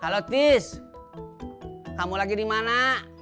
kalau tis kamu lagi di mana